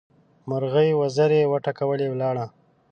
مرغۍ وزرې وټکولې؛ ولاړه.